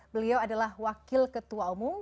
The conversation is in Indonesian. beliau adalah wakil ketua umum